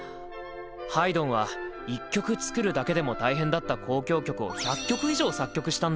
ハイドンは１曲作るだけでも大変だった交響曲を１００曲以上作曲したんだ。